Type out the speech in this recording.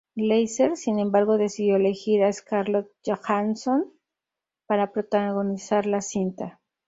Glazer, sin embargo, decidió elegir a Scarlett Johansson para protagonizar la cinta.